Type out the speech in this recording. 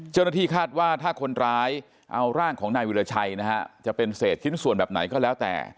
เจ้าหน้าที่คาดว่าถ้าคนร้ายเอาร่างของนายวิราชัยนะฮะจะเป็นเศษชิ้นส่วนแบบไหนก็แล้วแต่